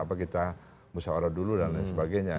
beda apa kita musawarah dulu dan lain sebagainya